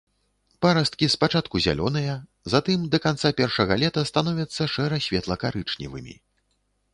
Парасткі спачатку зялёныя, затым да канца першага лета становяцца шэра-светла-карычневымі.